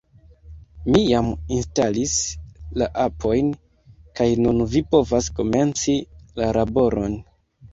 Mi jam instalis la apojn, kaj nun vi povas komenci la laboron.